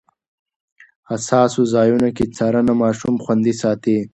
حساسو ځایونو کې څارنه ماشوم خوندي ساتي.